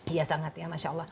iya sangat ya masya allah